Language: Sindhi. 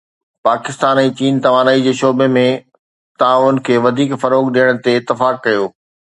پاڪستان ۽ چين توانائي جي شعبي ۾ تعاون کي وڌيڪ فروغ ڏيڻ تي اتفاق ڪيو